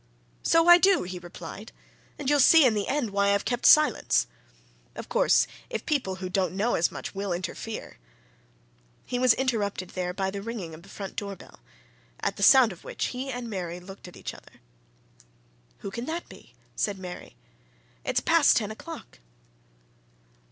"So I do!" he replied. "And you'll see in the end why I've kept silence. Of course, if people who don't know as much will interfere " He was interrupted there by the ringing of the front door bell, at the sound of which he and Mary looked at each other. "Who can that be?" said Mary. "It's past ten o'clock."